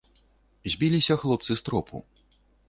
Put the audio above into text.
Збіліся хлопцы з тропу.